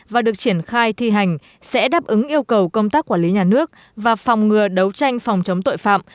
và được triển khai thi hành sẽ đáp ứng yêu cầu công tác quản lý nhà nước và phòng ngừa đấu tranh phòng chống tội phạm